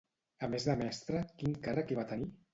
A més de mestra, quin càrrec hi va tenir?